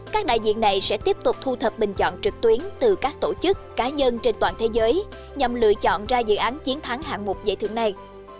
các đại diện này sẽ tiếp tục thu thập bình chọn trực tuyến từ các tổ chức cá nhân trên toàn thế giới nhằm lựa chọn ra dự án chiến thắng hạng mục giải thưởng này